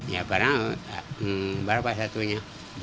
ya karena berapa satunya